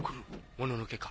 もののけか？